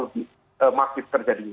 jadi masih terjadi